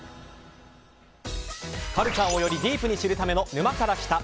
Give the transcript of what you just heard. カルチャーをよりディープに知るための「沼から来た。」。